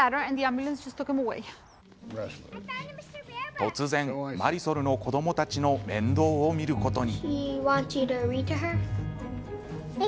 突然、マリソルの子どもたちの面倒を見ることに。